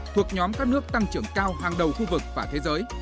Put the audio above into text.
thuộc nhóm các nước tăng trưởng cao hàng đầu khu vực và thế giới